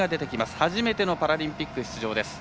初めてのパラリンピック出場です。